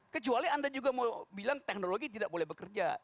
kecuali anda juga mau bilang teknologi tidak boleh bekerja